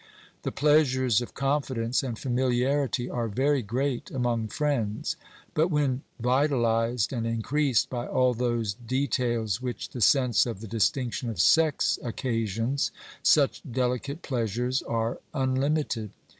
The pleasures of confidence and familiarity are very great among friends, but when vitahsed and increased by all those details which the sense of the distinction of sex occasions, such delicate pleasures are unlimited.